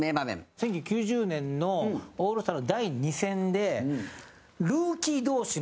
１９９０年のオールスターの第２戦でルーキー同士の。